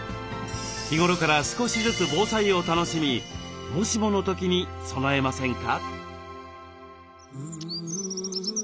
日頃から少しずつ防災を楽しみもしもの時に備えませんか？